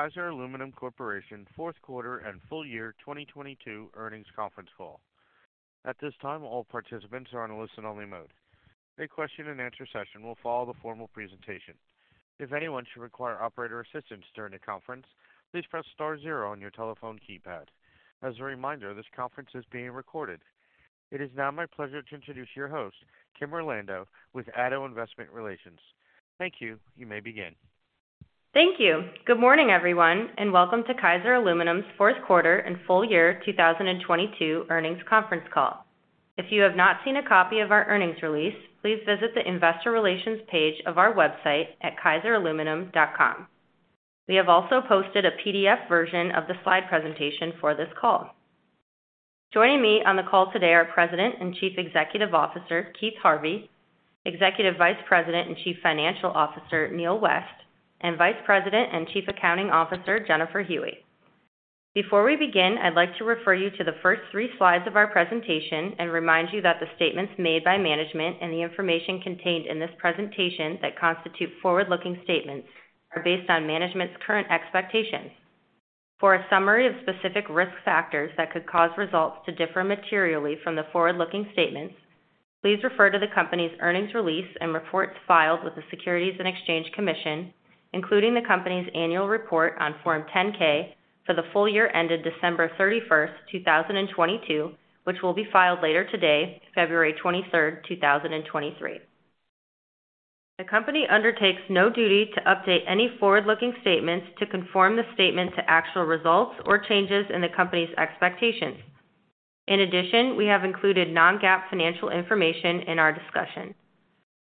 Kaiser Aluminum Corporation fourth quarter and full year 2022 earnings conference call. At this time, all participants are on a listen-only mode. A question-and-answer session will follow the formal presentation. If anyone should require operator assistance during the conference, please press star zero on your telephone keypad. As a reminder, this conference is being recorded. It is now my pleasure to introduce your host, Kim Orlando, with ADDO Investor Relations. Thank you. You may begin. Thank you. Good morning, everyone, and welcome to Kaiser Aluminum's fourth quarter and full year 2022 earnings conference call. If you have not seen a copy of our earnings release, please visit the investor relations page of our website at kaiseraluminum.com. We have also posted a PDF version of the slide presentation for this call. Joining me on the call today are President and Chief Executive Officer, Keith Harvey, Executive Vice President and Chief Financial Officer, Neal West, and Vice President and Chief Accounting Officer, Jennifer Huey. Before we begin, I'd like to refer you to the first three slides of our presentation and remind you that the statements made by management and the information contained in this presentation that constitute forward-looking statements are based on management's current expectations. For a summary of specific risk factors that could cause results to differ materially from the forward-looking statements, please refer to the company's earnings release and reports filed with the Securities and Exchange Commission, including the company's annual report on Form 10-K for the full year ended December 31st, 2022, which will be filed later today, February 23rd, 2023. The company undertakes no duty to update any forward-looking statements to confirm the statement to actual results or changes in the company's expectations. In addition, we have included non-GAAP financial information in our discussion.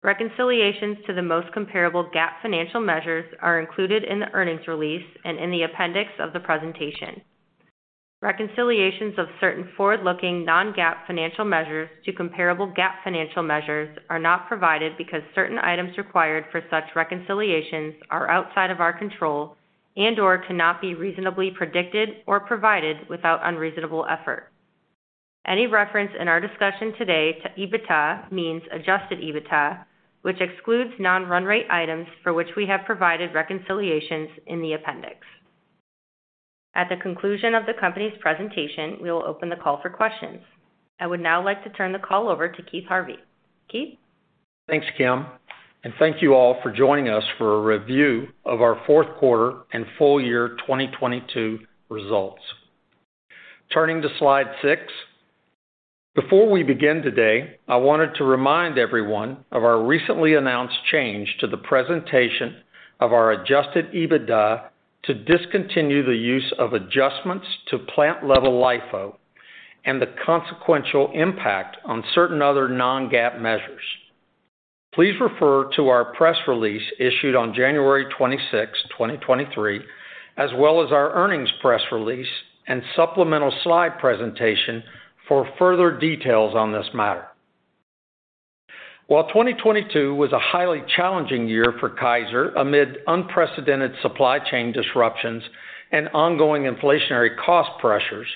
Reconciliations to the most comparable GAAP financial measures are included in the earnings release and in the appendix of the presentation. Reconciliations of certain forward-looking non-GAAP financial measures to comparable GAAP financial measures are not provided because certain items required for such reconciliations are outside of our control and/or cannot be reasonably predicted or provided without unreasonable effort. Any reference in our discussion today to EBITDA means Adjusted EBITDA, which excludes non-run rate items for which we have provided reconciliations in the appendix. At the conclusion of the company's presentation, we will open the call for questions. I would now like to turn the call over to Keith Harvey. Keith? Thanks, Kim. Thank you all for joining us for a review of our fourth quarter and full year 2022 results. Turning to slide six. Before we begin today, I wanted to remind everyone of our recently announced change to the presentation of our Adjusted EBITDA to discontinue the use of adjustments to plant level LIFO and the consequential impact on certain other non-GAAP measures. Please refer to our press release issued on January 26, 2023, as well as our earnings press release and supplemental slide presentation for further details on this matter. While 2022 was a highly challenging year for Kaiser amid unprecedented supply chain disruptions and ongoing inflationary cost pressures,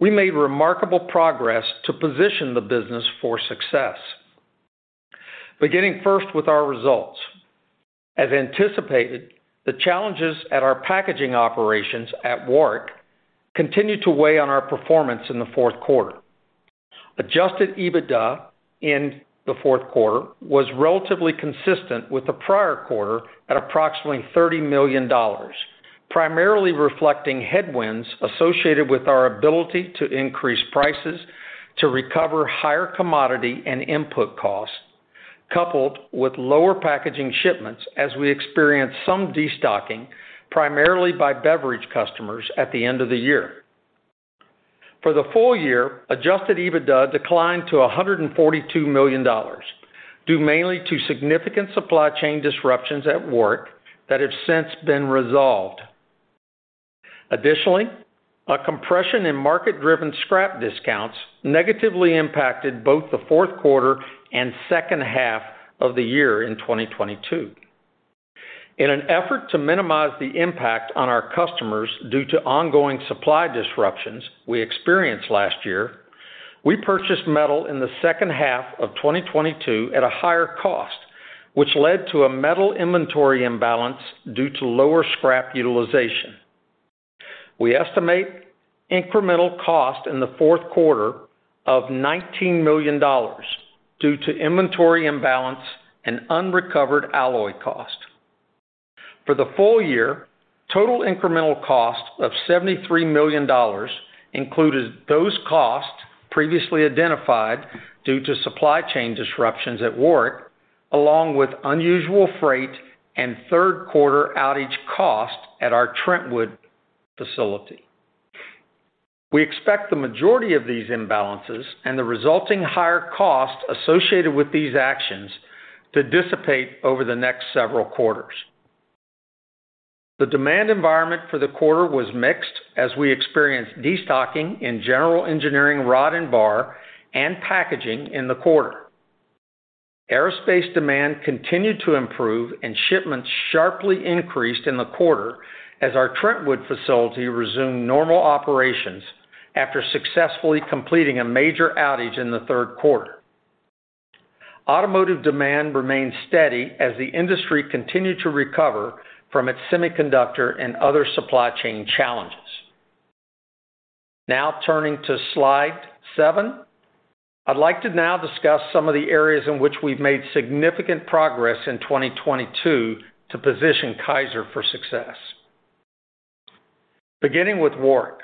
we made remarkable progress to position the business for success. Beginning first with our results. As anticipated, the challenges at our packaging operations at Warrick continued to weigh on our performance in the fourth quarter. Adjusted EBITDA in the fourth quarter was relatively consistent with the prior quarter at approximately $30 million, primarily reflecting headwinds associated with our ability to increase prices to recover higher commodity and input costs, coupled with lower packaging shipments as we experienced some destocking, primarily by beverage customers at the end of the year. For the full year, Adjusted EBITDA declined to $142 million, due mainly to significant supply chain disruptions at Warrick that have since been resolved. A compression in market-driven scrap discounts negatively impacted both the fourth quarter and second half of 2022. In an effort to minimize the impact on our customers due to ongoing supply disruptions we experienced last year, we purchased metal in the second half of 2022 at a higher cost, which led to a metal inventory imbalance due to lower scrap utilization. We estimate incremental cost in the fourth quarter of $19 million due to inventory imbalance and unrecovered alloy cost. For the full year, total incremental cost of $73 million included those costs previously identified due to supply chain disruptions at Warrick, along with unusual freight and third quarter outage costs at our Trentwood facility. We expect the majority of these imbalances and the resulting higher costs associated with these actions to dissipate over the next several quarters. The demand environment for the quarter was mixed as we experienced destocking in general engineering rod and bar and packaging in the quarter. Aerospace demand continued to improve and shipments sharply increased in the quarter as our Trentwood facility resumed normal operations after successfully completing a major outage in the third quarter. Automotive demand remained steady as the industry continued to recover from its semiconductor and other supply chain challenges. Now turning to slide seven, I'd like to now discuss some of the areas in which we've made significant progress in 2022 to position Kaiser for success. Beginning with Warrick.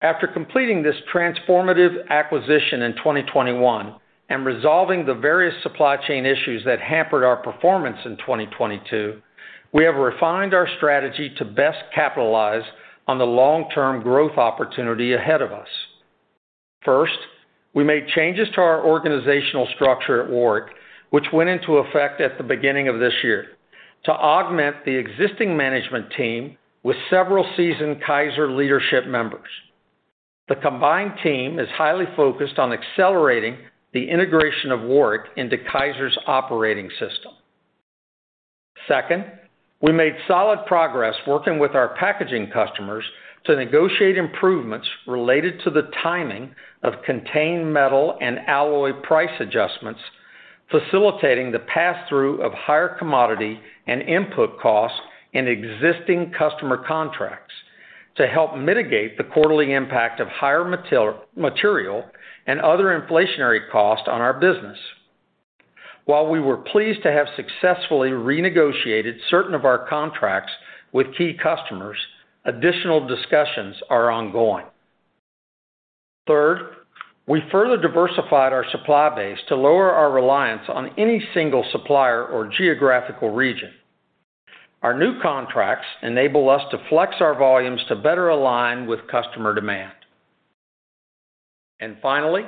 After completing this transformative acquisition in 2021 and resolving the various supply chain issues that hampered our performance in 2022, we have refined our strategy to best capitalize on the long-term growth opportunity ahead of us. First, we made changes to our organizational structure at Warrick, which went into effect at the beginning of this year to augment the existing management team with several seasoned Kaiser leadership members. The combined team is highly focused on accelerating the integration of Warrick into Kaiser's operating system. Second, we made solid progress working with our packaging customers to negotiate improvements related to the timing of contained metal and alloy price adjustments, facilitating the passthrough of higher commodity and input costs in existing customer contracts to help mitigate the quarterly impact of higher material and other inflationary costs on our business. While we were pleased to have successfully renegotiated certain of our contracts with key customers, additional discussions are ongoing. Third, we further diversified our supply base to lower our reliance on any single supplier or geographical region. Our new contracts enable us to flex our volumes to better align with customer demand. Finally,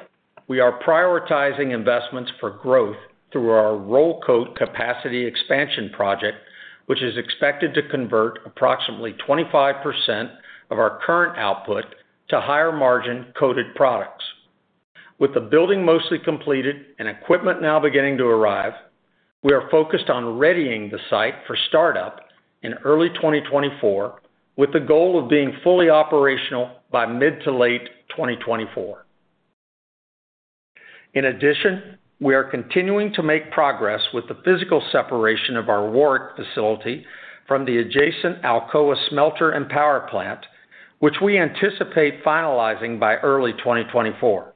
we are prioritizing investments for growth through our roll coat capacity expansion project, which is expected to convert approximately 25% of our current output to higher margin coated products. With the building mostly completed and equipment now beginning to arrive, we are focused on readying the site for startup in early 2024, with the goal of being fully operational by mid to late 2024. In addition, we are continuing to make progress with the physical separation of our Warrick facility from the adjacent Alcoa smelter and power plant, which we anticipate finalizing by early 2024.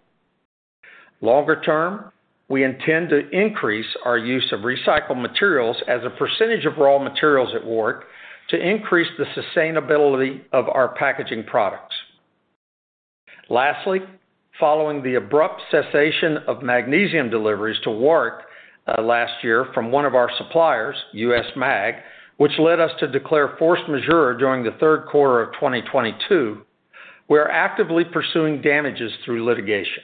Longer term, we intend to increase our use of recycled materials as a percentage of raw materials at Warrick to increase the sustainability of our packaging products. Lastly, following the abrupt cessation of magnesium deliveries to Warrick last year from one of our suppliers, US Mag, which led us to declare force majeure during the third quarter of 2022, we are actively pursuing damages through litigation.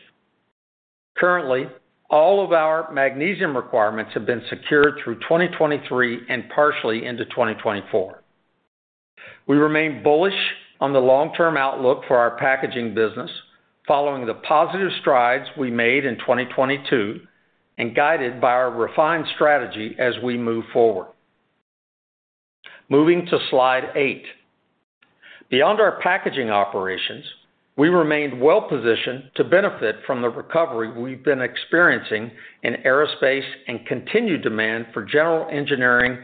Currently, all of our magnesium requirements have been secured through 2023 and partially into 2024. We remain bullish on the long-term outlook for our packaging business following the positive strides we made in 2022 and guided by our refined strategy as we move forward. Moving to slide eight. Beyond our packaging operations, we remained well-positioned to benefit from the recovery we've been experiencing in aerospace and continued demand for general engineering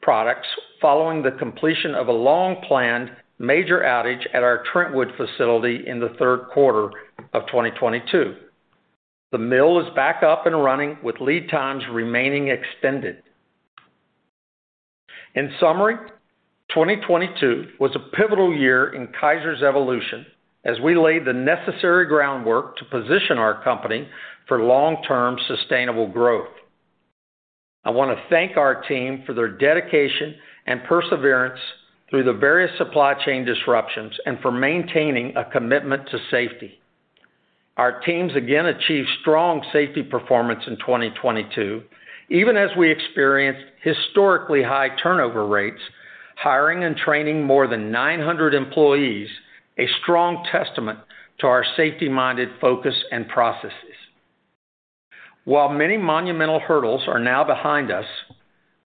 products following the completion of a long-planned major outage at our Trentwood facility in the third quarter of 2022. The mill is back up and running, with lead times remaining extended. In summary, 2022 was a pivotal year in Kaiser's evolution as we laid the necessary groundwork to position our company for long-term sustainable growth. I wanna thank our team for their dedication and perseverance through the various supply chain disruptions and for maintaining a commitment to safety. Our teams again achieved strong safety performance in 2022, even as we experienced historically high turnover rates, hiring and training more than 900 employees, a strong testament to our safety-minded focus and processes. While many monumental hurdles are now behind us,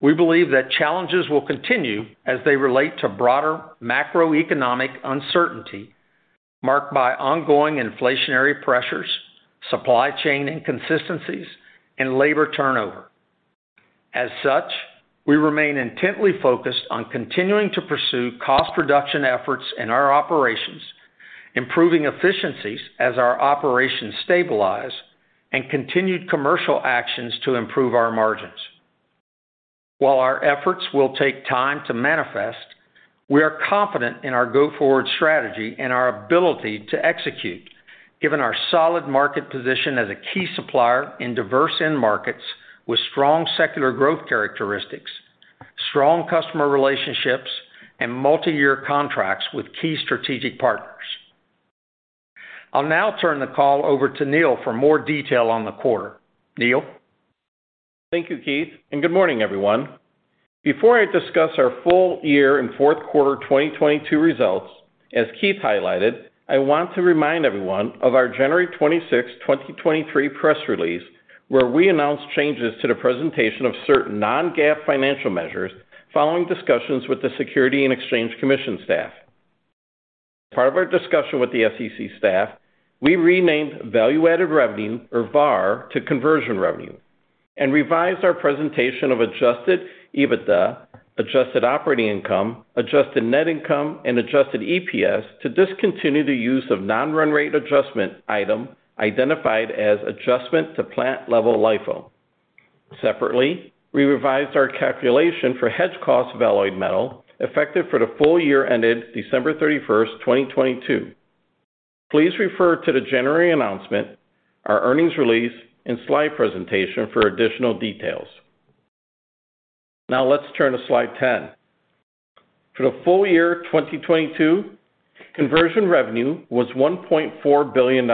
we believe that challenges will continue as they relate to broader macroeconomic uncertainty marked by ongoing inflationary pressures, supply chain inconsistencies, and labor turnover. As such, we remain intently focused on continuing to pursue cost reduction efforts in our operations, improving efficiencies as our operations stabilize, and continued commercial actions to improve our margins. While our efforts will take time to manifest, we are confident in our go-forward strategy and our ability to execute, given our solid market position as a key supplier in diverse end markets with strong secular growth characteristics, strong customer relationships, and multiyear contracts with key strategic partners. I'll now turn the call over to Neal for more detail on the quarter. Neal? Thank you, Keith, and good morning, everyone. Before I discuss our full year and fourth quarter 2022 results, as Keith highlighted, I want to remind everyone of our January 26, 2023 press release where we announced changes to the presentation of certain non-GAAP financial measures following discussions with the Securities and Exchange Commission staff. Part of our discussion with the SEC staff, we renamed value-added revenue, or VAR, to conversion revenue, and revised our presentation of Adjusted EBITDA, adjusted operating income, Adjusted net income, and adjusted EPS to discontinue the use of non-run rate adjustment item identified as adjustment to plant-level LIFO. Separately, we revised our calculation for Hedged Cost of Alloyed Metal effective for the full year ended December 31, 2022. Please refer to the January announcement, our earnings release, and slide presentation for additional details. Now let's turn to slide 10. For the full year 2022, conversion revenue was $1.4 billion.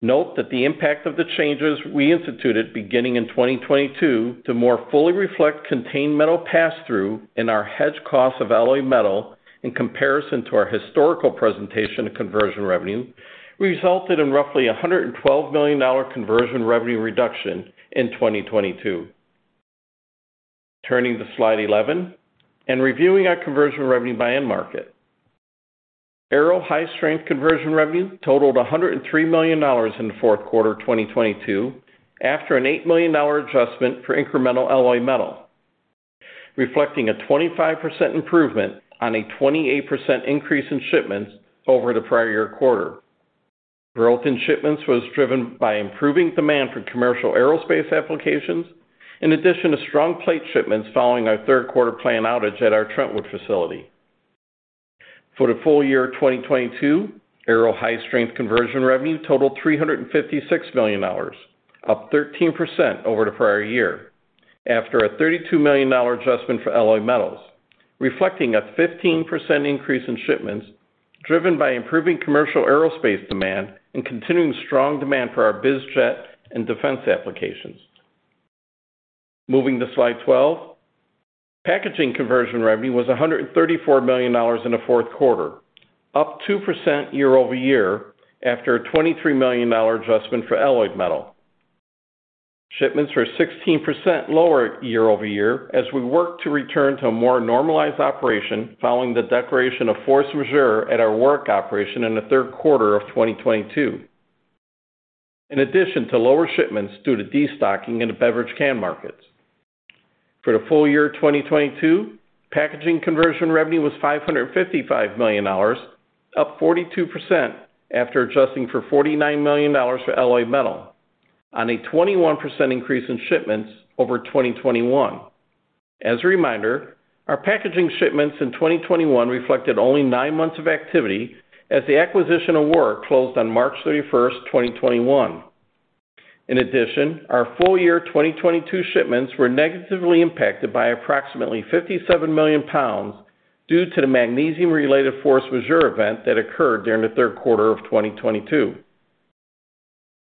Note that the impact of the changes we instituted beginning in 2022 to more fully reflect contained metal passthrough in our Hedged Cost of Alloyed Metal in comparison to our historical presentation of conversion revenue resulted in roughly a $112 million conversion revenue reduction in 2022. Turning to slide 11 and reviewing our conversion revenue by end market. Aero high-strength conversion revenue totaled $103 million in fourth quarter 2022 after an $8 million adjustment for incremental alloy metal, reflecting a 25% improvement on a 28% increase in shipments over the prior year quarter. Growth in shipments was driven by improving demand for commercial aerospace applications, in addition to strong plate shipments following our third quarter planned outage at our Trentwood facility. For the full year 2022, aero high-strength conversion revenue totaled $356 million, up 13% over the prior year, after a $32 million adjustment for alloy metals, reflecting a 15% increase in shipments driven by improving commercial aerospace demand and continuing strong demand for our biz jet and defense applications. Moving to slide 12. Packaging conversion revenue was $134 million in the fourth quarter, up 2% year-over-year after a $23 million adjustment for alloy metal. Shipments were 16% lower year-over-year as we worked to return to a more normalized operation following the declaration of force majeure at our Warrick operation in the third quarter of 2022, in addition to lower shipments due to destocking in the beverage can markets. For the full year 2022, packaging conversion revenue was $555 million, up 42% after adjusting for $49 million for alloy metal on a 21% increase in shipments over 2021. As a reminder, our packaging shipments in 2021 reflected only nine months of activity as the acquisition of Warrick closed on March 31st, 2021. In addition, our full year 2022 shipments were negatively impacted by approximately 57 million lbs due to the magnesium-related force majeure event that occurred during the third quarter of 2022.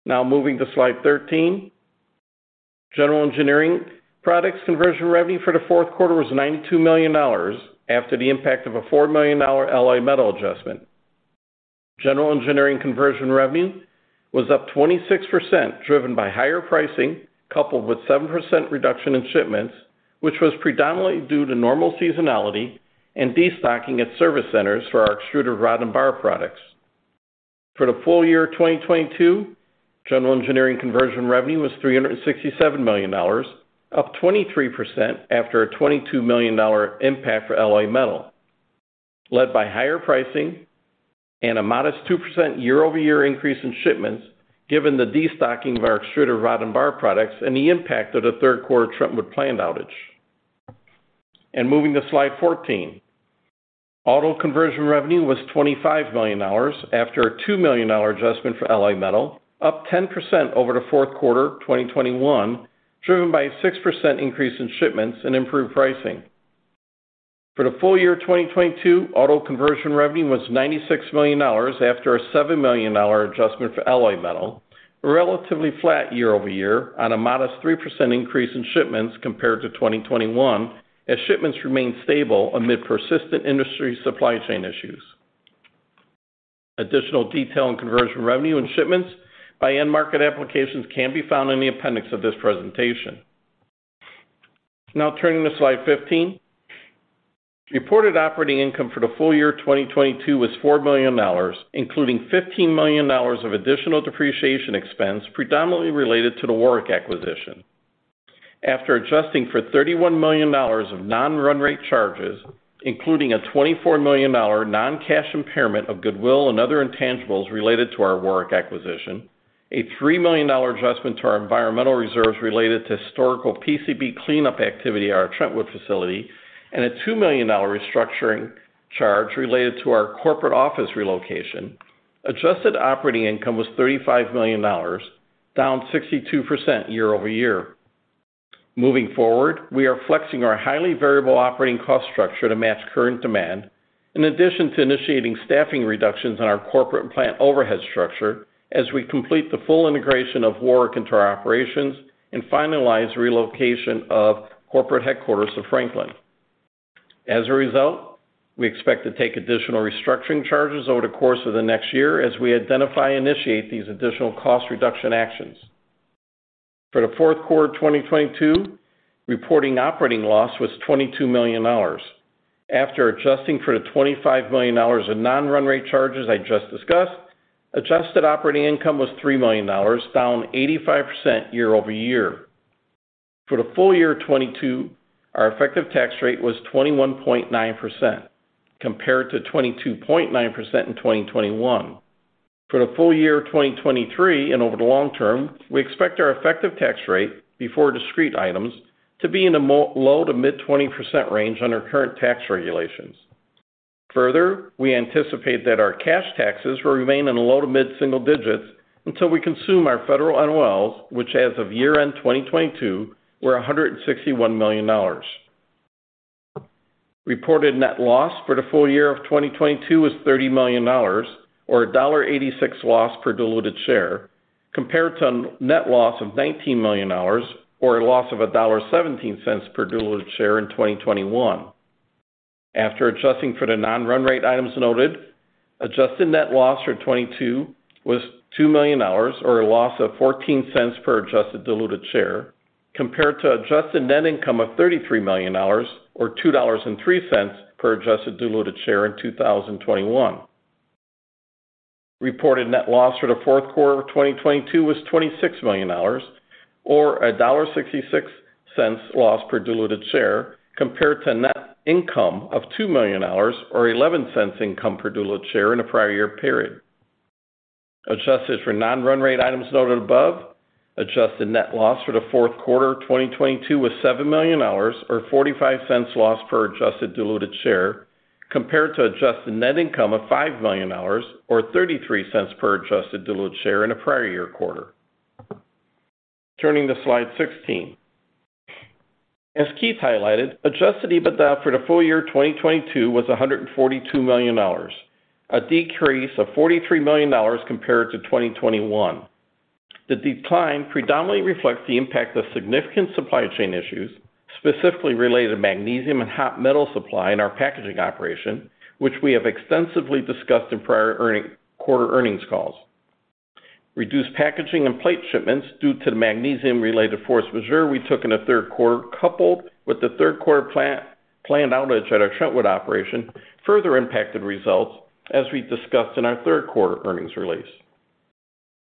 Moving to slide 13. General engineering products conversion revenue for the fourth quarter was $92 million after the impact of a $4 million alloy metal adjustment. General engineering conversion revenue was up 26%, driven by higher pricing coupled with 7% reduction in shipments, which was predominantly due to normal seasonality and destocking at service centers for our extruded rod and bar products. For the full year 2022, general engineering conversion revenue was $367 million, up 23% after a $22 million impact for alloy metal, led by higher pricing and a modest 2% year-over-year increase in shipments given the destocking of our extruded rod and bar products and the impact of the third quarter Trentwood planned outage. Moving to slide 14. Auto conversion revenue was $25 million after a $2 million adjustment for alloy metal, up 10% over the fourth quarter 2021, driven by a 6% increase in shipments and improved pricing. For the full year 2022, auto conversion revenue was $96 million after a $7 million adjustment for alloy metal, relatively flat year-over-year on a modest 3% increase in shipments compared to 2021 as shipments remained stable amid persistent industry supply chain issues. Additional detail in conversion revenue and shipments by end market applications can be found in the appendix of this presentation. Turning to slide 15. Reported operating income for the full year 2022 was $4 million, including $15 million of additional depreciation expense predominantly related to the Warrick acquisition. After adjusting for $31 million of non-run rate charges, including a $24 million non-cash impairment of goodwill and other intangibles related to our Warrick acquisition, a $3 million adjustment to our environmental reserves related to historical PCB cleanup activity at our Trentwood facility, and a $2 million restructuring charge related to our corporate office relocation, adjusted operating income was $35 million, down 62% year-over-year. Moving forward, we are flexing our highly variable operating cost structure to match current demand in addition to initiating staffing reductions in our corporate and plant overhead structure as we complete the full integration of Warrick into our operations and finalize relocation of corporate headquarters to Franklin. As a result, we expect to take additional restructuring charges over the course of the next year as we identify and initiate these additional cost reduction actions. For the fourth quarter of 2022, reporting operating loss was $22 million. After adjusting for the $25 million in non-run rate charges I just discussed, adjusted operating income was $3 million, down 85% year-over-year. For the full year of 2022, our effective tax rate was 21.9% compared to 22.9% in 2021. For the full year of 2023 and over the long term, we expect our effective tax rate before discrete items to be in the low to mid 20% range under current tax regulations. Further, we anticipate that our cash taxes will remain in the low to mid single digits until we consume our federal NOLs, which as of year-end 2022 were $161 million. Reported net loss for the full year of 2022 was $30 million or a $1.86 loss per diluted share compared to net loss of $19 million or a loss of $1.17 per diluted share in 2021. After adjusting for the non-run rate items noted, adjusted net loss for 2022 was $2 million or a loss of $0.14 per adjusted diluted share compared to adjusted net income of $33 million or $2.03 per adjusted diluted share in 2021. Reported net loss for the fourth quarter of 2022 was $26 million or $1.66 loss per diluted share compared to net income of $2 million or $0.11 income per diluted share in the prior year period. Adjusted for non-run-rate items noted above, adjusted net loss for the fourth quarter of 2022 was $7 million or $0.45 loss per adjusted diluted share compared to adjusted net income of $5 million or $0.33 per adjusted diluted share in the prior year quarter. Turning to slide 16. As Keith highlighted, Adjusted EBITDA for the full year of 2022 was $142 million, a decrease of $43 million compared to 2021. The decline predominantly reflects the impact of significant supply chain issues, specifically related to magnesium and hot metal supply in our packaging operation, which we have extensively discussed in prior quarter earnings calls. Reduced packaging and plate shipments due to the magnesium-related force majeure we took in the third quarter, coupled with the third quarter planned outage at our Trentwood operation, further impacted results, as we discussed in our third quarter earnings release.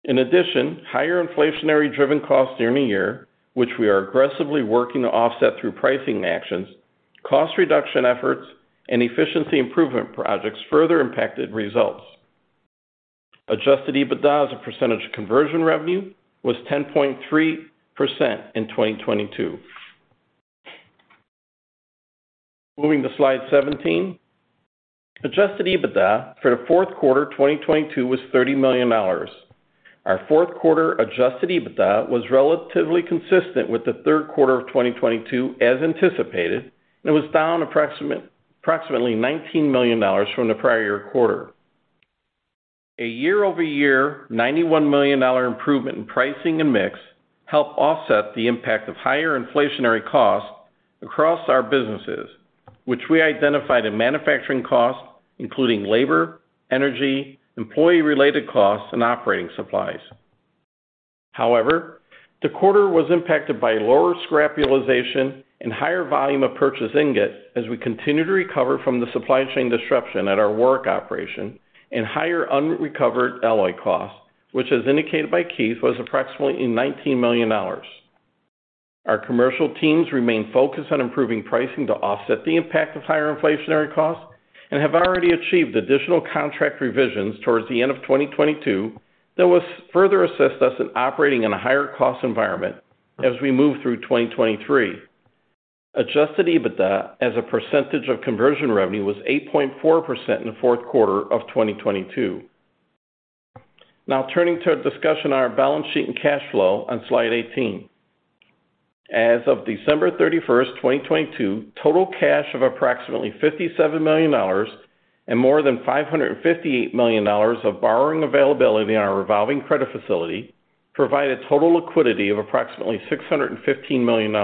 In addition, higher inflationary driven costs during the year, which we are aggressively working to offset through pricing actions, cost reduction efforts, and efficiency improvement projects further impacted results. Adjusted EBITDA as a percentage of conversion revenue was 10.3% in 2022. Moving to slide 17. Adjusted EBITDA for the fourth quarter of 2022 was $30 million. Our fourth quarter Adjusted EBITDA was relatively consistent with the third quarter of 2022, as anticipated, was down approximately $19 million from the prior year quarter. A year-over-year $91 million improvement in pricing and mix helped offset the impact of higher inflationary costs across our businesses, which we identified in manufacturing costs, including labor, energy, employee-related costs, and operating supplies. However, the quarter was impacted by lower scrap realization and higher volume of purchased ingot as we continue to recover from the supply chain disruption at our Warrick operation and higher unrecovered alloy costs, which, as indicated by Keith, was approximately $19 million. Our commercial teams remain focused on improving pricing to offset the impact of higher inflationary costs and have already achieved additional contract revisions towards the end of 2022 that will further assist us in operating in a higher cost environment as we move through 2023. Adjusted EBITDA as a percentage of conversion revenue was 8.4% in the fourth quarter of 2022. Turning to a discussion on our balance sheet and cash flow on slide 18. As of December 31st, 2022, total cash of approximately $57 million and more than $558 million of borrowing availability on our revolving credit facility provide a total liquidity of approximately $615 million.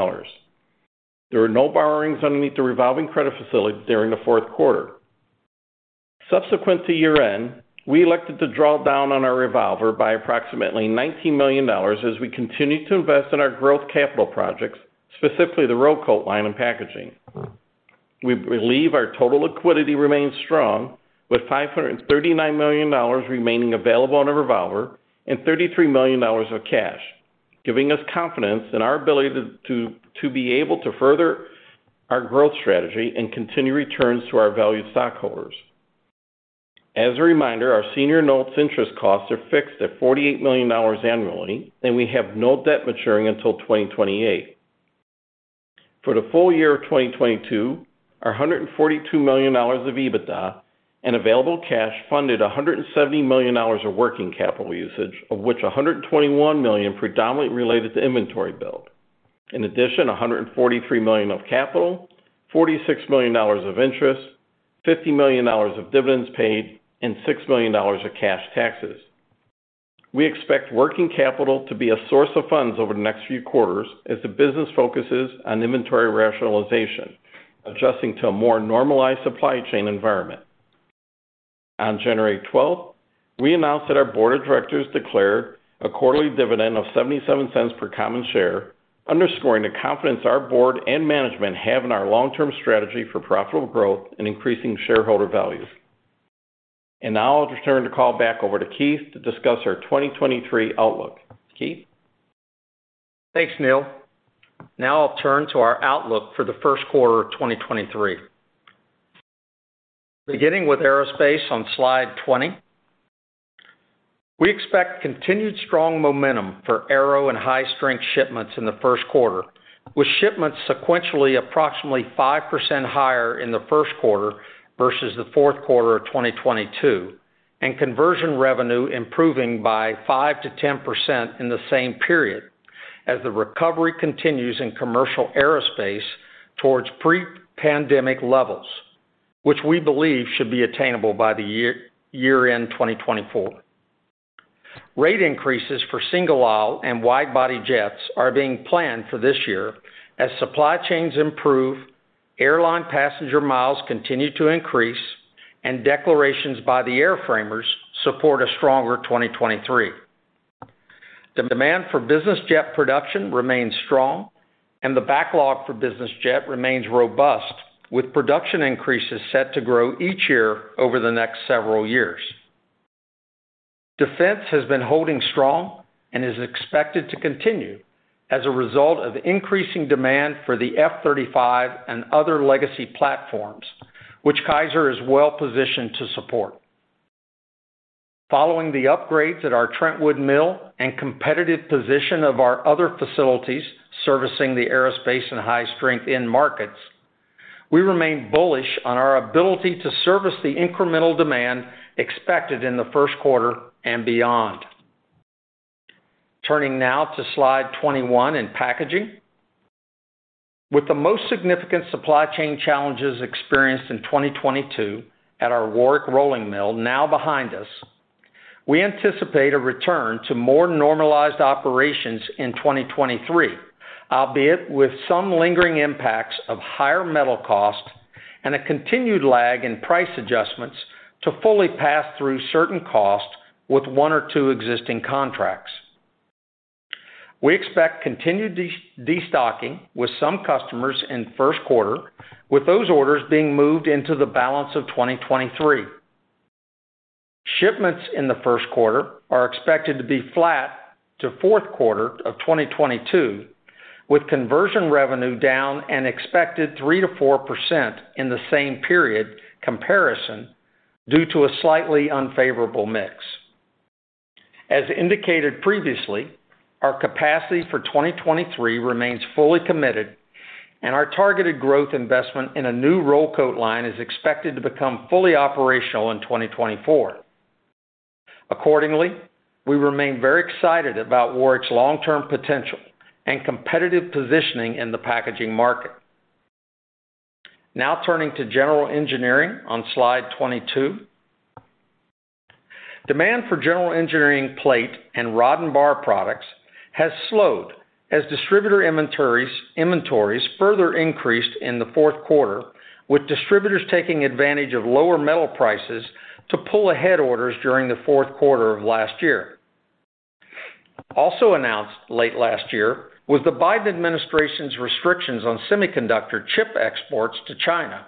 There were no borrowings underneath the revolving credit facility during the fourth quarter. Subsequent to year-end, we elected to draw down on our revolver by approximately $19 million as we continue to invest in our growth capital projects, specifically the roll coat line and packaging. We believe our total liquidity remains strong, with $539 million remaining available on the revolver and $33 million of cash, giving us confidence in our ability to be able to further our growth strategy and continue returns to our valued stockholders. As a reminder, our senior notes interest costs are fixed at $48 million annually, and we have no debt maturing until 2028. For the full year of 2022, our $142 million of EBITDA and available cash funded $170 million of working capital usage, of which $121 million predominantly related to inventory build. In addition, $143 million of capital, $46 million of interest, $50 million of dividends paid, and $6 million of cash taxes. We expect working capital to be a source of funds over the next few quarters as the business focuses on inventory rationalization, adjusting to a more normalized supply chain environment. On January 12, we announced that our board of directors declared a quarterly dividend of $0.77 per common share, underscoring the confidence our board and management have in our long-term strategy for profitable growth and increasing shareholder value. Now I'll turn the call back over to Keith to discuss our 2023 outlook. Keith? Thanks, Neal. I'll turn to our outlook for the first quarter of 2023. Beginning with aerospace on slide 20. We expect continued strong momentum for aero and high-strength shipments in the first quarter, with shipments sequentially approximately 5% higher in the first quarter versus the fourth quarter of 2022, and conversion revenue improving by 5%-10% in the same period as the recovery continues in commercial aerospace towards pre-pandemic levels, which we believe should be attainable by year-end 2024. Rate increases for single-aisle and wide-body jets are being planned for this year as supply chains improve, airline passenger miles continue to increase, declarations by the airframers support a stronger 2023. The demand for business jet production remains strong and the backlog for business jet remains robust, with production increases set to grow each year over the next several years. Defense has been holding strong and is expected to continue as a result of increasing demand for the F-35 and other legacy platforms, which Kaiser is well-positioned to support. Following the upgrades at our Trentwood mill and competitive position of our other facilities servicing the aerospace and high-strength end markets, we remain bullish on our ability to service the incremental demand expected in the first quarter and beyond. Turning now to slide 21 in packaging. With the most significant supply chain challenges experienced in 2022 at our Warrick Rolling Mill now behind us, we anticipate a return to more normalized operations in 2023, albeit with some lingering impacts of higher metal costs and a continued lag in price adjustments to fully pass through certain costs with one or two existing contracts. We expect continued destocking with some customers in first quarter, with those orders being moved into the balance of 2023. Shipments in the first quarter are expected to be flat to fourth quarter of 2022, with conversion revenue down an expected 3%-4% in the same period comparison due to a slightly unfavorable mix. As indicated previously, our capacity for 2023 remains fully committed and our targeted growth investment in a new roll coat line is expected to become fully operational in 2024. We remain very excited about Warrick's long-term potential and competitive positioning in the packaging market. Turning to general engineering on slide 22. Demand for general engineering plate and rod and bar products has slowed as distributor inventories further increased in the fourth quarter, with distributors taking advantage of lower metal prices to pull ahead orders during the fourth quarter of last year. Also announced late last year was the Biden administration's restrictions on semiconductor chip exports to China,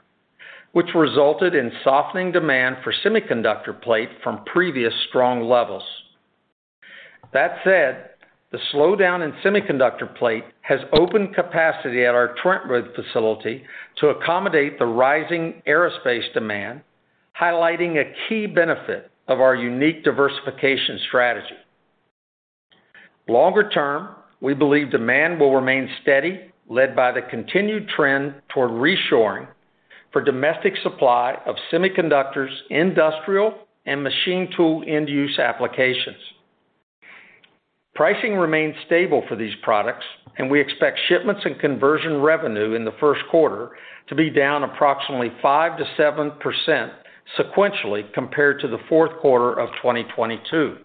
which resulted in softening demand for semiconductor plate from previous strong levels. That said, the slowdown in semiconductor plate has opened capacity at our Trentwood facility to accommodate the rising aerospace demand, highlighting a key benefit of our unique diversification strategy. Longer term, we believe demand will remain steady, led by the continued trend toward reshoring for domestic supply of semiconductors, industrial, and machine tool end-use applications. Pricing remains stable for these products, and we expect shipments and conversion revenue in the first quarter to be down approximately 5%-7% sequentially compared to the fourth quarter of 2022.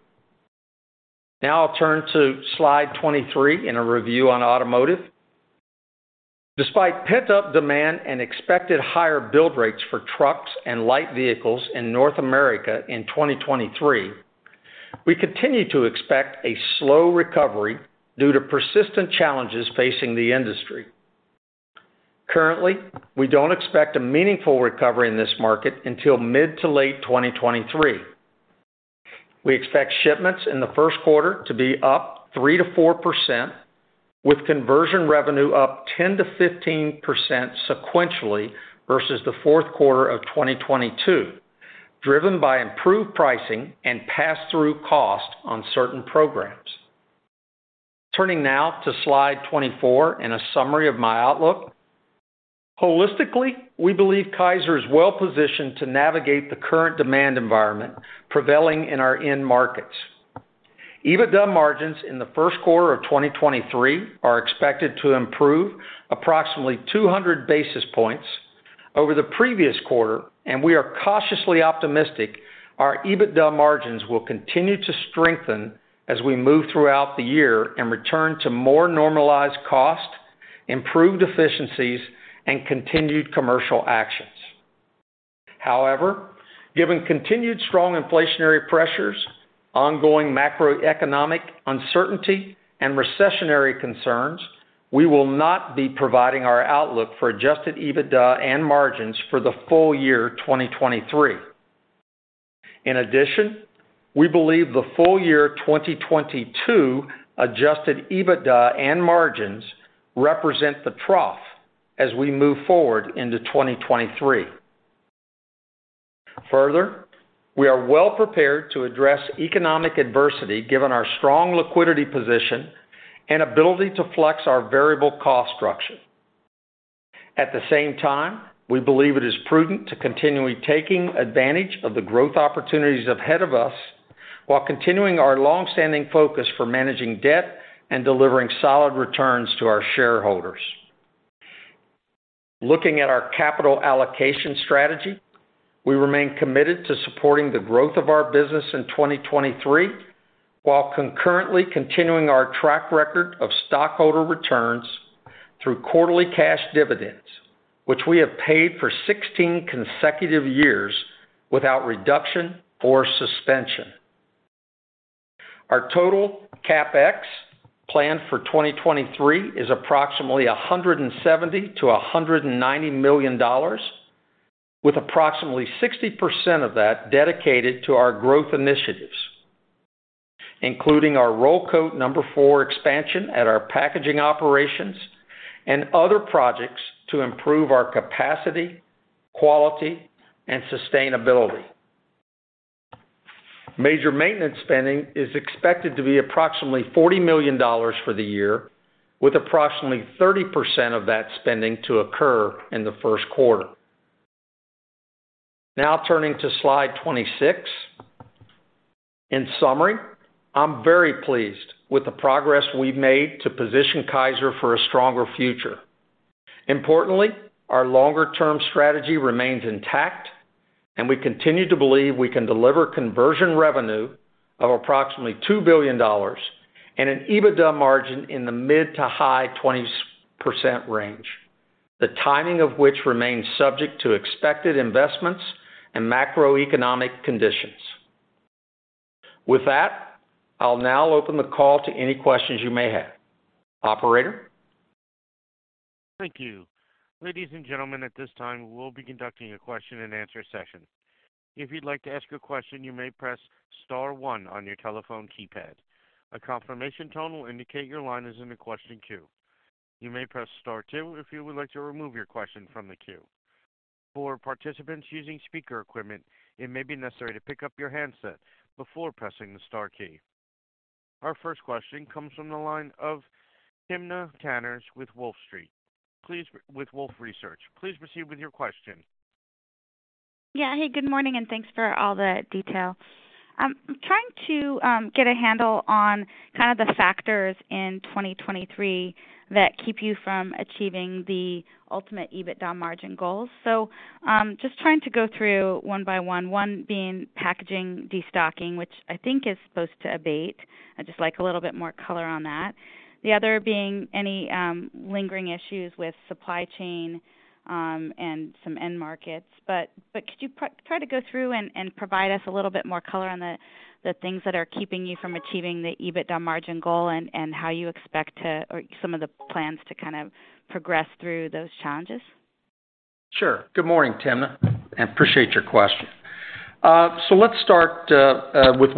I'll turn to slide 23 and a review on automotive. Despite pent-up demand and expected higher build rates for trucks and light vehicles in North America in 2023, we continue to expect a slow recovery due to persistent challenges facing the industry. Currently, we don't expect a meaningful recovery in this market until mid to late 2023. We expect shipments in the first quarter to be up 3%-4%, with conversion revenue up 10%-15% sequentially versus the fourth quarter of 2022, driven by improved pricing and pass-through cost on certain programs. Turning now to slide 24 and a summary of my outlook. Holistically, we believe Kaiser is well-positioned to navigate the current demand environment prevailing in our end markets. EBITDA margins in the first quarter of 2023 are expected to improve approximately 200 basis points over the previous quarter. We are cautiously optimistic our EBITDA margins will continue to strengthen as we move throughout the year and return to more normalized cost. Improved efficiencies and continued commercial actions. Given continued strong inflationary pressures, ongoing macroeconomic uncertainty and recessionary concerns, we will not be providing our outlook for adjusted EBITDA and margins for the full year 2023. We believe the full year 2022 adjusted EBITDA and margins represent the trough as we move forward into 2023. We are well prepared to address economic adversity given our strong liquidity position and ability to flex our variable cost structure. At the same time, we believe it is prudent to continually taking advantage of the growth opportunities ahead of us while continuing our long-standing focus for managing debt and delivering solid returns to our shareholders. Looking at our capital allocation strategy, we remain committed to supporting the growth of our business in 2023 while concurrently continuing our track record of stockholder returns through quarterly cash dividends, which we have paid for 16 consecutive years without reduction or suspension. Our total CapEx plan for 2023 is approximately $170 million-$190 million, with approximately 60% of that dedicated to our growth initiatives, including our Roll Coat 4 expansion at our packaging operations and other projects to improve our capacity, quality, and sustainability. Major maintenance spending is expected to be approximately $40 million for the year, with approximately 30% of that spending to occur in the first quarter. Turning to slide 26. In summary, I'm very pleased with the progress we've made to position Kaiser for a stronger future. Importantly, our longer-term strategy remains intact, and we continue to believe we can deliver conversion revenue of approximately $2 billion and an EBITDA margin in the mid to high 20s% range, the timing of which remains subject to expected investments and macroeconomic conditions. With that, I'll now open the call to any questions you may have. Operator? Thank you. Ladies and gentlemen, at this time, we'll be conducting a question and answer session. If you'd like to ask a question, you may press star one on your telephone keypad. A confirmation tone will indicate your line is in the question queue. You may press star two if you would like to remove your question from the queue. For participants using speaker equipment, it may be necessary to pick up your handset before pressing the star key. Our first question comes from the line of Timna Tanners with Wolfe Research. Please proceed with your question. Yeah. Hey, good morning, and thanks for all the detail. I'm trying to get a handle on kind of the factors in 2023 that keep you from achieving the ultimate EBITDA margin goals. Just trying to go through one by one being packaging destocking, which I think is supposed to abate. I'd just like a little bit more color on that. The other being any lingering issues with supply chain and some end markets. Could you try to go through and provide us a little bit more color on the things that are keeping you from achieving the EBITDA margin goal and how you expect to or some of the plans to kind of progress through those challenges? Sure. Good morning, Timna. I appreciate your question. Let's start with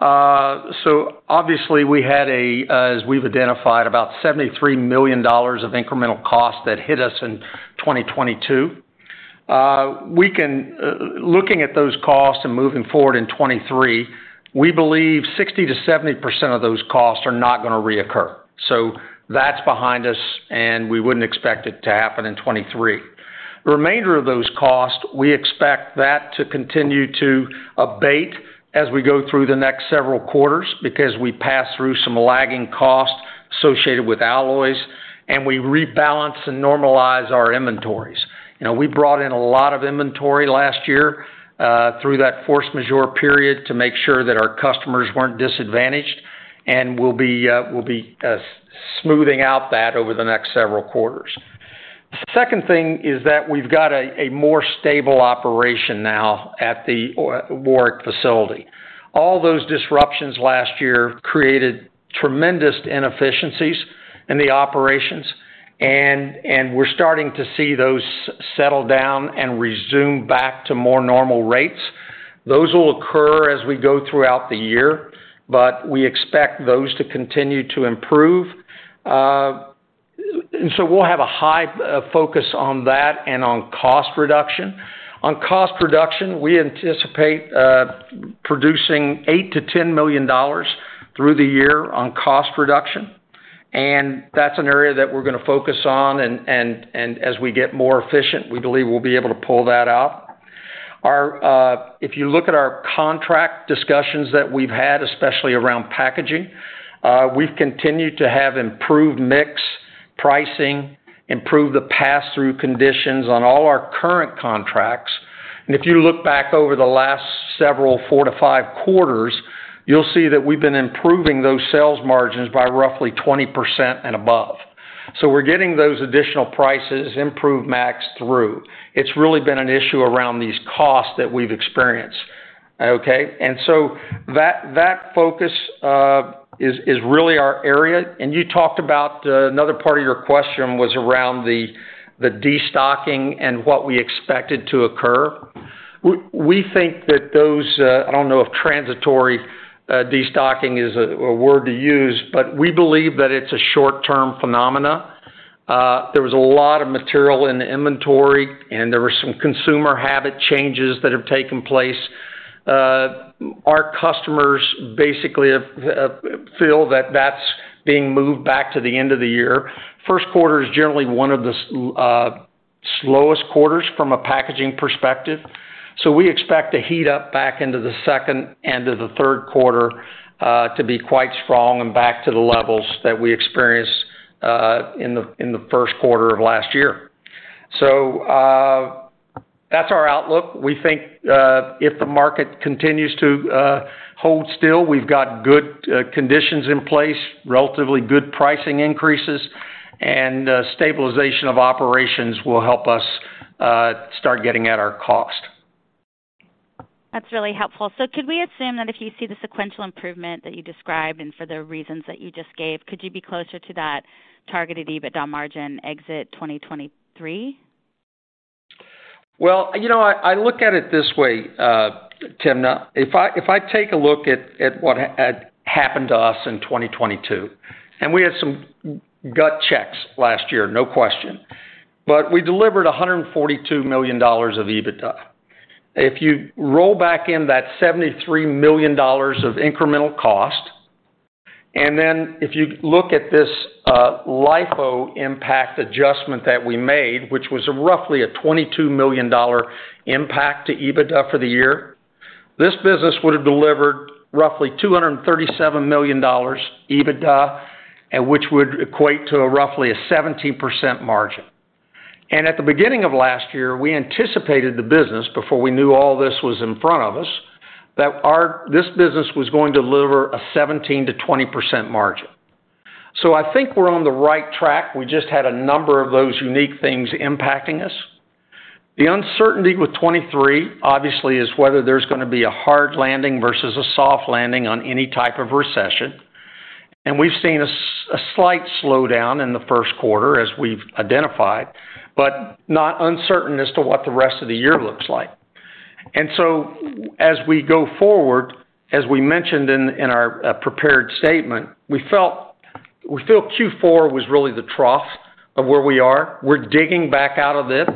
Warrick. Obviously, we had a, as we've identified, about $73 million of incremental costs that hit us in 2022. Looking at those costs and moving forward in 2023, we believe 60%-70% of those costs are not gonna reoccur. That's behind us, and we wouldn't expect it to happen in 2023. The remainder of those costs, we expect that to continue to abate as we go through the next several quarters because we pass through some lagging costs associated with alloys, and we rebalance and normalize our inventories. You know, we brought in a lot of inventory last year, through that force majeure period to make sure that our customers weren't disadvantaged, and we'll be smoothing out that over the next several quarters. Second thing is that we've got a more stable operation now at the Warrick facility. All those disruptions last year created tremendous inefficiencies in the operations, and we're starting to see those settle down and resume back to more normal rates. Those will occur as we go throughout the year, but we expect those to continue to improve. So we'll have a high focus on that and on cost reduction. On cost reduction, we anticipate, producing $8 million-$10 million through the year on cost reduction. That's an area that we're gonna focus on. As we get more efficient, we believe we'll be able to pull that out. If you look at our contract discussions that we've had, especially around packaging, we've continued to have improved mix, pricing, improved the passthrough conditions on all our current contracts. If you look back over the last several four to five quarters, you'll see that we've been improving those sales margins by roughly 20% and above. We're getting those additional prices improved max through. It's really been an issue around these costs that we've experienced. Okay? That focus is really our area. You talked about another part of your question was around the destocking and what we expected to occur. We think that those, I don't know if transitory destocking is a word to use, but we believe that it's a short-term phenomena. There was a lot of material in the inventory, and there were some consumer habit changes that have taken place. Our customers basically feel that that's being moved back to the end of the year. First quarter is generally one of the slowest quarters from a packaging perspective. We expect to heat up back into the second, end of the third quarter, to be quite strong and back to the levels that we experienced in the first quarter of last year. That's our outlook. We think, if the market continues to hold still, we've got good conditions in place, relatively good pricing increases, and stabilization of operations will help us start getting at our cost. That's really helpful. Could we assume that if you see the sequential improvement that you described and for the reasons that you just gave, could you be closer to that targeted EBITDA margin exit 2023? You know what? I look at it this way, Timna. If I, if I take a look at what had happened to us in 2022, and we had some gut checks last year, no question. We delivered $142 million of EBITDA. If you roll back in that $73 million of incremental cost, and then if you look at this LIFO impact adjustment that we made, which was roughly a $22 million impact to EBITDA for the year, this business would have delivered roughly $237 million EBITDA, which would equate to roughly a 17% margin. At the beginning of last year, we anticipated the business before we knew all this was in front of us, that this business was going to deliver a 17%-20% margin. I think we're on the right track. We just had a number of those unique things impacting us. The uncertainty with 2023 obviously is whether there's gonna be a hard landing versus a soft landing on any type of recession. We've seen a slight slowdown in the first quarter as we've identified, but not uncertain as to what the rest of the year looks like. As we go forward, as we mentioned in our prepared statement, we feel Q4 was really the trough of where we are. We're digging back out of this.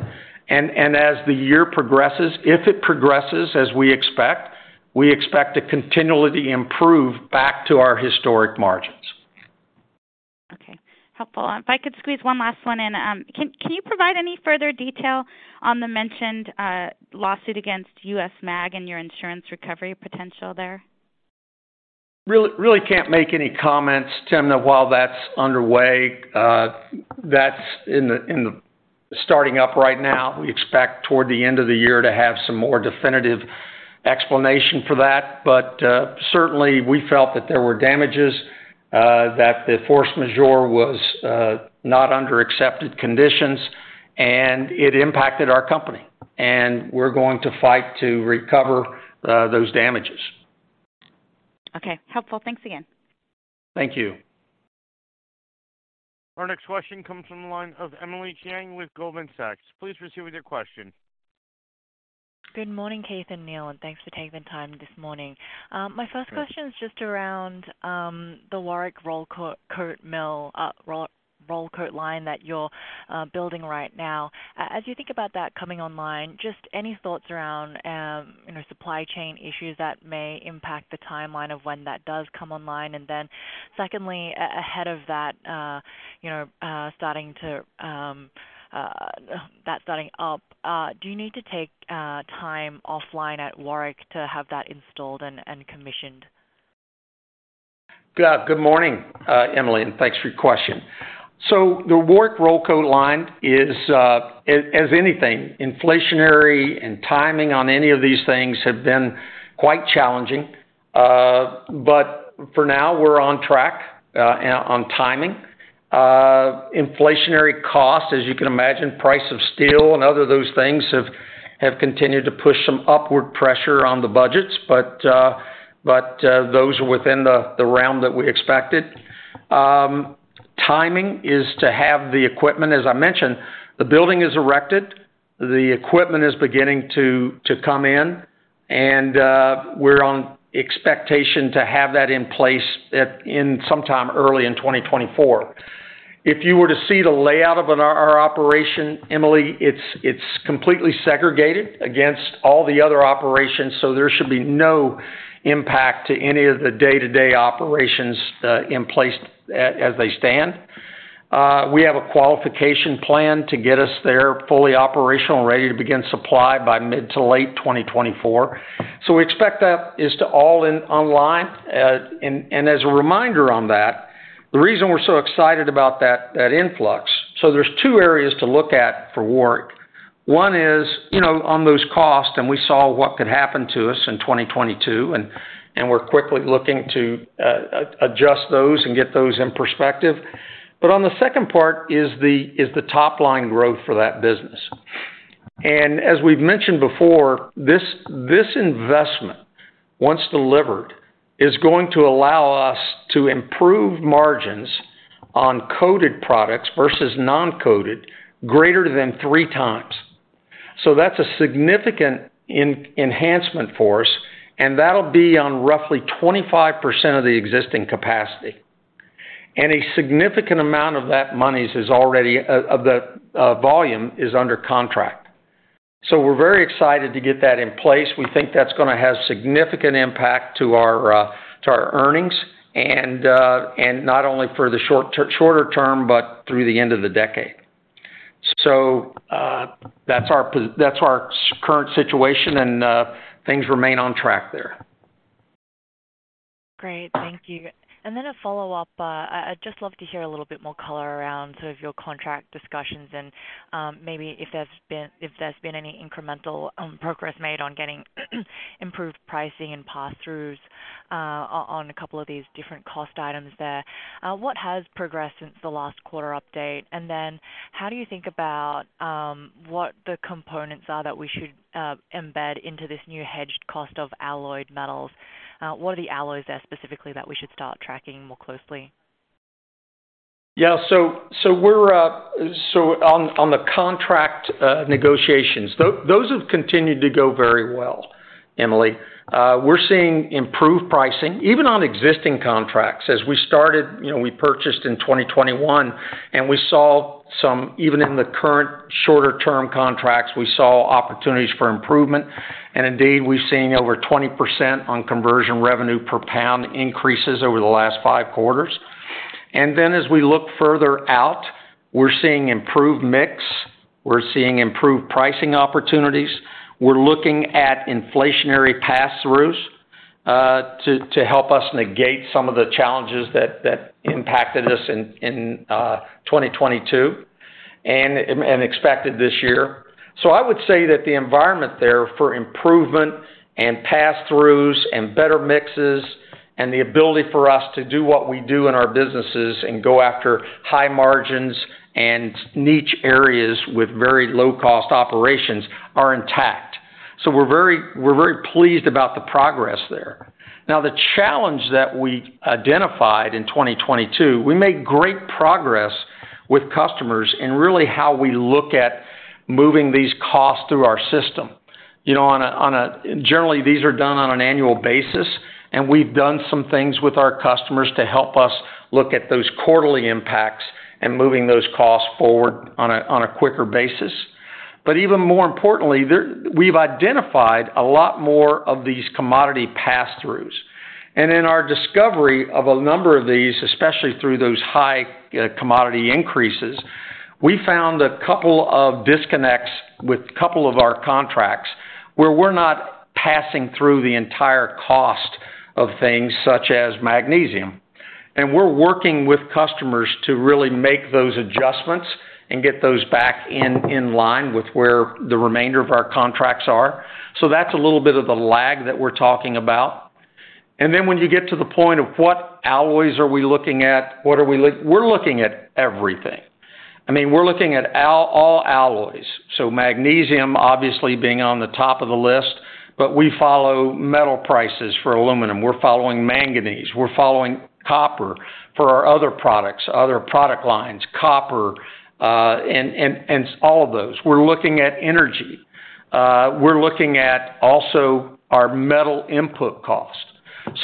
As the year progresses, if it progresses as we expect, we expect to continually improve back to our historic margins. Okay. Helpful. If I could squeeze one last one in. Can you provide any further detail on the mentioned lawsuit against US Mag and your insurance recovery potential there? Really can't make any comments, Timna, while that's underway. That's starting up right now. We expect toward the end of the year to have some more definitive explanation for that. Certainly, we felt that there were damages, that the force majeure was not under accepted conditions, and it impacted our company. We're going to fight to recover those damages. Okay. Helpful. Thanks again. Thank you. Our next question comes from the line of Emily Chieng with Goldman Sachs. Please proceed with your question. Good morning, Keith and Neal, thanks for taking the time this morning. My first question is just around the Warrick roll coat line that you're building right now. As you think about that coming online, just any thoughts around, you know, supply chain issues that may impact the timeline of when that does come online? Secondly, ahead of that, you know, that starting up, do you need to take time offline at Warrick to have that installed and commissioned? Good morning, Emily, and thanks for your question. The Warrick roll coat line is, as anything, inflationary and timing on any of these things have been quite challenging. For now, we're on track and on timing. Inflationary costs, as you can imagine, price of steel and other of those things have continued to push some upward pressure on the budgets, but those are within the realm that we expected. Timing is to have the equipment, as I mentioned. The building is erected, the equipment is beginning to come in, and we're on expectation to have that in place in sometime early in 2024. If you were to see the layout of our operation, Emily, it's completely segregated against all the other operations, there should be no impact to any of the day-to-day operations, as they stand. We have a qualification plan to get us there fully operational and ready to begin supply by mid to late 2024. We expect that is to all in online. As a reminder on that. The reason we're so excited about that influx. There's two areas to look at for Warrick. One is, you know, on those costs, and we saw what could happen to us in 2022, and we're quickly looking to adjust those and get those in perspective. On the second part is the top line growth for that business. As we've mentioned before, this investment, once delivered, is going to allow us to improve margins on coated products versus non-coated greater than 3x. That's a significant enhancement for us, and that'll be on roughly 25% of the existing capacity. A significant amount of that money is already of the volume is under contract. We're very excited to get that in place. We think that's gonna have significant impact to our earnings, and not only for the shorter term, but through the end of the decade. That's our current situation and things remain on track there. Great. Thank you. A follow-up. I'd just love to hear a little bit more color around sort of your contract discussions and maybe if there's been any incremental progress made on getting improved pricing and pass-throughs, on a couple of these different cost items there. What has progressed since the last quarter update? How do you think about what the components are that we should embed into this new Hedged Cost of Alloyed Metal? What are the alloys there specifically that we should start tracking more closely? On the contract negotiations, those have continued to go very well, Emily. We're seeing improved pricing even on existing contracts. As we started, you know, we purchased in 2021, we saw some even in the current shorter-term contracts, we saw opportunities for improvement. Indeed, we've seen over 20% on conversion revenue per pound increases over the last five quarters. As we look further out, we're seeing improved mix, we're seeing improved pricing opportunities. We're looking at inflationary pass-throughs to help us negate some of the challenges that impacted us in 2022 and expected this year. I would say that the environment there for improvement and pass-throughs and better mixes and the ability for us to do what we do in our businesses and go after high margins and niche areas with very low cost operations are intact. We're very pleased about the progress there. The challenge that we identified in 2022, we made great progress with customers in really how we look at moving these costs through our system. You know, Generally, these are done on an annual basis, and we've done some things with our customers to help us look at those quarterly impacts and moving those costs forward on a quicker basis. Even more importantly, there, we've identified a lot more of these commodity pass-throughs. In our discovery of a number of these, especially through those high commodity increases, we found a couple of disconnects with couple of our contracts, where we're not passing through the entire cost of things such as magnesium. We're working with customers to really make those adjustments and get those back in line with where the remainder of our contracts are. That's a little bit of the lag that we're talking about. When you get to the point of what alloys are we looking at? We're looking at everything. I mean, we're looking at all alloys, so magnesium obviously being on the top of the list, but we follow metal prices for aluminum. We're following manganese. We're following copper for our other products, other product lines, copper, and all of those. We're looking at energy. We're looking at also our metal input cost.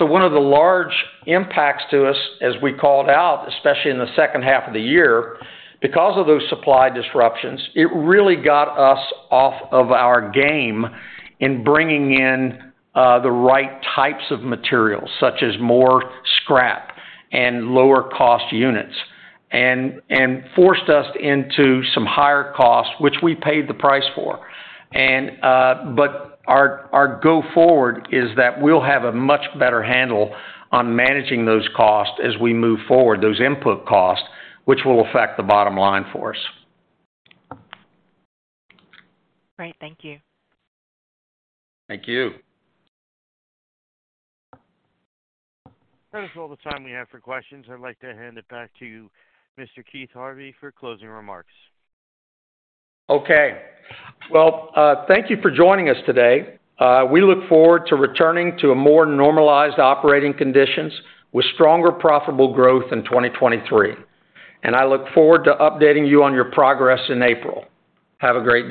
One of the large impacts to us, as we called out, especially in the second half of the year, because of those supply disruptions, it really got us off of our game in bringing in the right types of materials, such as more scrap and lower cost units. Forced us into some higher costs, which we paid the price for. Our go forward is that we'll have a much better handle on managing those costs as we move forward, those input costs, which will affect the bottom line for us. Great. Thank you. Thank you. That is all the time we have for questions. I'd like to hand it back to Mr. Keith Harvey for closing remarks. Okay. Well, thank you for joining us today. We look forward to returning to a more normalized operating conditions with stronger profitable growth in 2023. I look forward to updating you on your progress in April. Have a great day.